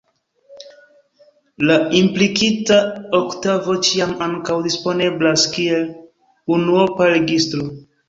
La implikita oktavo ĉiam ankaŭ disponeblas kiel unuopa registro.